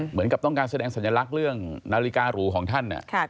เหมือนกับต้องการแสดงสัญลักษณ์เรื่องนาฬิการูของท่าน